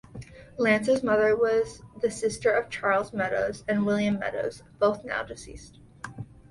Lance's mother was the sister of Charles Meadows and William Meadows, both now deceased.